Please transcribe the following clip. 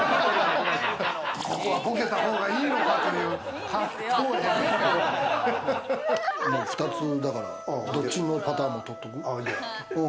ここはボケた方がいいのかと２つだからどっちのパターンもとっとく？